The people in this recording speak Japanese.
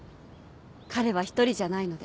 彼は一人じゃないので。